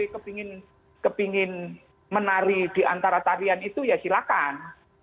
kalau icw ingin menari di antara tarian itu ya silakan